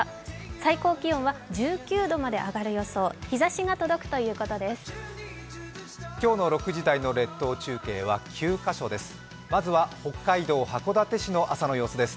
最高気温は１９度まで上がる予想、日ざしが届くということです。